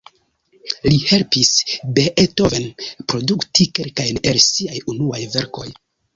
Li helpis Beethoven produkti kelkajn el siaj unuaj verkoj.